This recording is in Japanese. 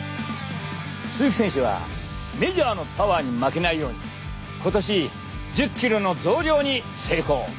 鈴木選手はメジャーのパワーに負けないように今年１０キロの増量に成功。